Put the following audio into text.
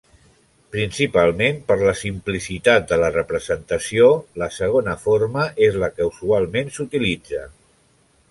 Principalment per la simplicitat de la representació, la segona forma és la que usualment s'utilitza.